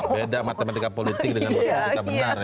beda matematika politik dengan matematika benar ya